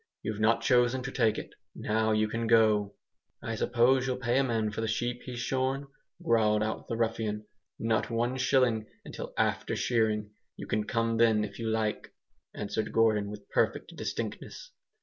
You've not chosen to take it. Now you can go!" "I suppose you'll pay a man for the sheep he's shorn?" growled out the ruffian. "Not one shilling until after shearing. You can come then if you like," answered Gordon, with perfect distinctness.